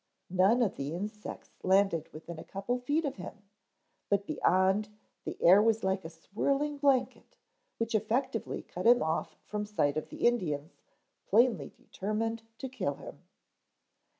None of the insects landed within a couple of feet of him, but beyond the air was like a swirling blanket which effectively cut him off from sight of the Indians plainly determined to kill him.